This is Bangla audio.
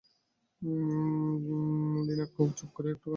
নলিনাক্ষ চুপ করিয়া একটুখানি হাসিল।